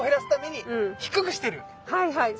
はいはい。